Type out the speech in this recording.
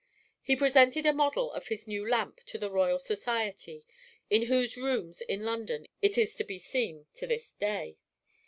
He presented a model of his new lamp to the Royal Society, in whose rooms in London it is to be seen to this day.